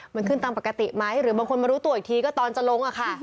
มันขึ้นตามปกติไหมหรือบางคนมารู้ตัวอีกทีก็ตอนจะลงอะค่ะ